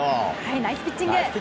ナイスピッチング。